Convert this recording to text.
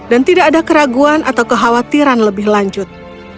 dan tidak ada keraguan atau kekhawatiran lebih lanjut